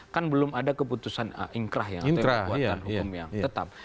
kan belum ada keputusan inkrah yang ada diperkuatkan hukum yang tetap